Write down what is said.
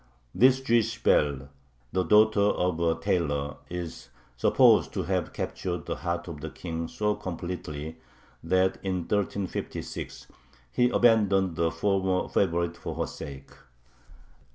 This Jewish belle, the daughter of a tailor, is supposed to have captured the heart of the King so completely that in 1356 he abandoned a former favorite for her sake.